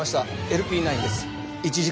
ＬＰ９です